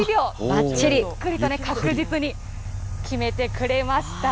ゆっくりと確実に決めてくれました。